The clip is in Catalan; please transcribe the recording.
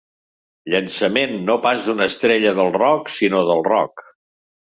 Llançament no pas d'una estrella del rock sinó del roc.